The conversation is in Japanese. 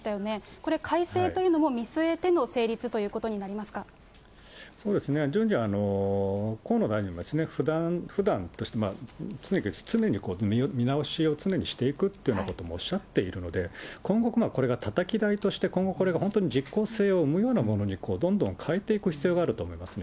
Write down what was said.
これ、改正というのも見据えてのそうですね、河野大臣もふだん、常に、見直しを常にしていくというようなこともおっしゃっているので、今後、これがたたき台として今後、これが本当に実効性を生むようなものにどんどん変えていく必要があると思いますね。